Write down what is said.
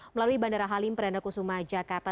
melalui bandara halim perendakusuma jakarta